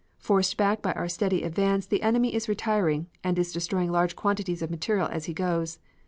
Forced back by our steady advance the enemy is retiring, and is destroying large quantities of material as he goes.